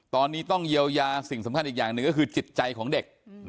ตอนนี้ต้องเยียวยาสิ่งสำคัญอีกอย่างหนึ่งก็คือจิตใจของเด็ก